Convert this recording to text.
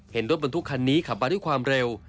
เห็นรถบรรทุกคันนี้ขับมาที่ความเร็ว